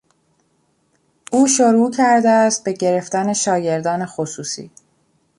او شروع کرده است به گرفتن شاگردان خصوصی.